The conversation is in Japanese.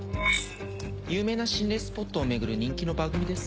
有名な心霊スポットを巡る人気の番組です。